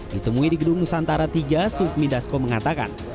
ditemui di gedung nusantara tiga sufmi dasko mengatakan